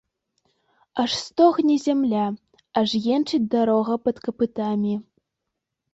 Аж стогне зямля, аж енчыць дарога пад капытамі.